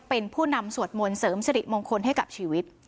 เป็นผู้นำสวดมนต์เสริมสิริมงคลให้กับชีวิต